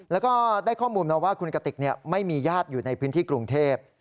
แล้วก็ได้ข้อมูลมาว่าคุณกติกไม่มีญาติอยู่ในพื้นที่กรุงเทพ